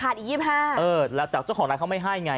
ขาดอีก๒๕บาทเออแต่เจ้าของร้านเขาไม่ให้ไง